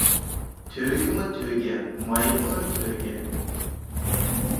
تۆگىمۇ تۆگە، مايىقىمۇ تۆگە.